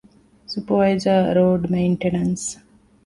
ސްޕަވައިޒަރ، ރޯޑް މެއިންޓެނަންސް